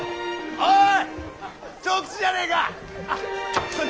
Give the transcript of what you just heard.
おい！